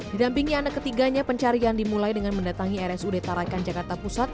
didampingi anak ketiganya pencarian dimulai dengan mendatangi rsud tarakan jakarta pusat